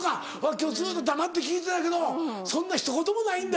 今日ずっと黙って聞いてたけどそんなひと言もないんだ。